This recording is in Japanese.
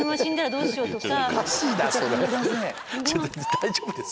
どうしようとか。